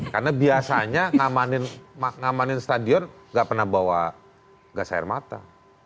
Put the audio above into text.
karena biasanya ngamanin stadion gak pernah bawa gas air mata